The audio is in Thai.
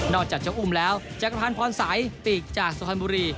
นอกจากเจ้าอุ่มแล้วแจกรพรรณพรศัยปีกจากสภัณฑ์บุรี